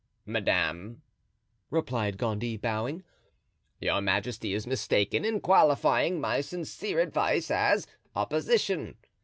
"Madame," replied Gondy, bowing, "your majesty is mistaken in qualifying my sincere advice as opposition.